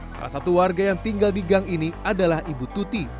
salah satu warga yang tinggal di gang ini adalah ibu tuti